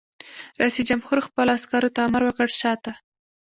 رئیس جمهور خپلو عسکرو ته امر وکړ؛ شاته!